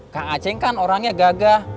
kang aceh kan orangnya gagah